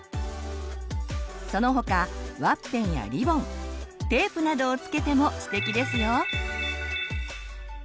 その他ワッペンやリボンテープなどを付けてもステキですよ！